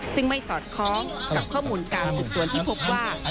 ซึ่งไม่สอดคล้องกับข้อมูลการสืบสวนที่พบว่า